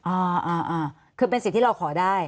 อ่าอ่าคือเป็นสิทธิ์ที่เราขอได้